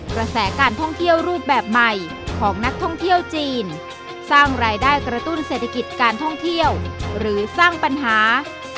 กระแสการท่องเที่ยวรูปแบบใหม่ของนักท่องเที่ยวจีนสร้างรายได้กระตุ้นเศรษฐกิจการท่องเที่ยวหรือสร้างปัญหา